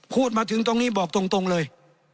พูดมาถึงตรงนี้บอกตรงเลย